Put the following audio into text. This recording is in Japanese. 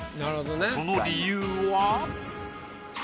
その理由は？